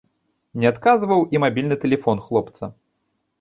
Не адказваў і мабільны тэлефон хлопца.